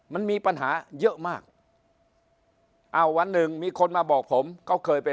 มันมีปัญหาเยอะมากเอาวะหนึ่งมีคนมาบอกผมเขาเคยไป